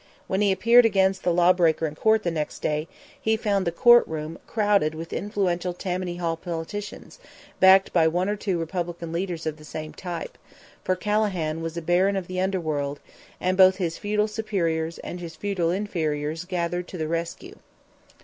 When he appeared against the lawbreaker in court next day, he found the court room crowded with influential Tammany Hall politicians, backed by one or two Republican leaders of the same type; for Calahan was a baron of the underworld, and both his feudal superiors and his feudal inferiors gathered to the rescue.